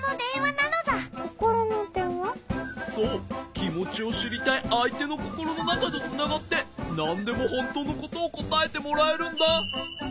きもちをしりたいあいてのココロのなかとつながってなんでもほんとうのことをこたえてもらえるんだ。